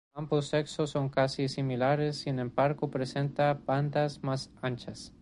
Ambos sexos son casi similares, sin embargo presenta bandas más anchas.